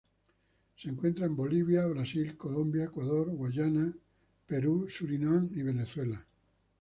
Se encuentra en Bolivia, Brasil, Colombia, Ecuador, Guyana, Perú, Surinam y Venezuela.